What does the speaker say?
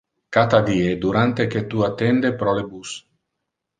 Cata die durante que tu attende pro le bus.